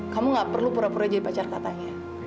kamu gak perlu pura pura jadi pacar katanya